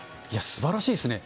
すばらしいですね。